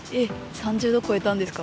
３０度超えたんですか？